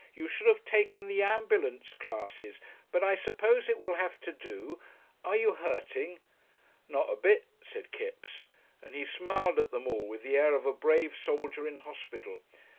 "You should have taken the ambulance classes. But I suppose it will have to do. Are you hurting?" "Not a bit," said Kipps, and he smiled at them all with the air of a brave soldier in hospital.